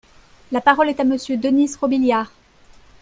La parole est à Monsieur Denys Robiliard.